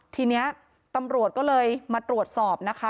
ทีนี้ตำรวจก็เลยมาตรวจสอบนะคะ